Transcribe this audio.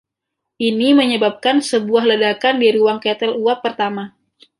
Ini menyebabkan sebuah ledakan di ruang ketel uap pertama.